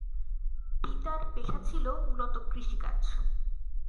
পিতার পেশা ছিল মূলত কৃষিকাজ।